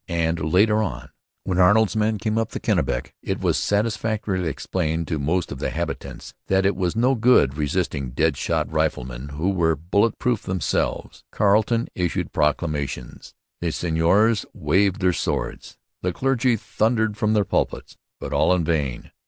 And later on, when Arnold's men came up the Kennebec, it was satisfactorily explained to most of the habitants that it was no good resisting dead shot riflemen who were bullet proof themselves. Carleton issued proclamations. The seigneurs waved their swords. The clergy thundered from their pulpits. But all in vain.